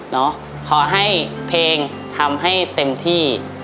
ขอให้เพลงทำให้เต็มที่